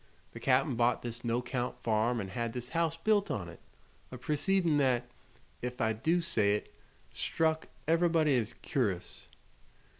The Cap'n bought this no'count farm an' had this house built on it a proceedin' that, ef I do say it, struck ev'rybody as cur'ous."